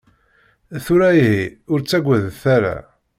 Tura ihi, ur ttagadet ara.